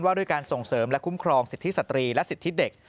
ด้วยการส่งเสริมและคุ้มครองสิทธิสตรีและสิทธิเด็ก